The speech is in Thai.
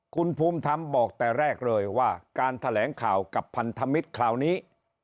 คุณภูมิธรรมบอกแต่แรกเลยว่าการแถลงข่าวกับพันธมิตรคราวนี้